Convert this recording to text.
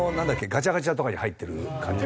ガチャガチャとかに入ってる感じ。